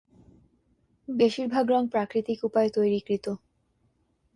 বেশিরভাগ রঙ প্রাকৃতিক উপায়ে তৈরীকৃত।